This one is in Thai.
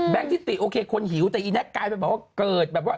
แบงก์ทิตย์โอเคคนหิวแต่แน็กกลายไปบอกว่าเกิด